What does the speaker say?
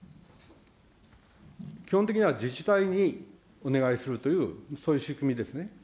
基本的には自治体にお願いするという、そういう仕組みですね。